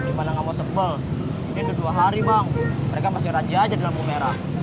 gimana nggak mau sebel dia duduk dua hari bang mereka masih raja aja di lambung merah